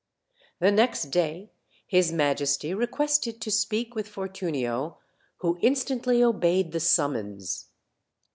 The next day his majesty requested to speak with For tunio, who instantly obeyed the summons.